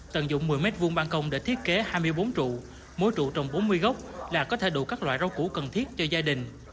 tận dụng một mươi m hai bàn công để thiết kế hai mươi bốn trụ mỗi trụ trồng bốn mươi gốc là có thể đủ các loại rau cũ cần thiết cho gia đình